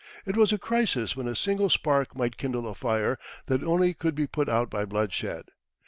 It was a crisis when a single spark might kindle a fire that only could be put out by bloodshed.